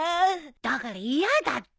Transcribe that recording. だから嫌だって。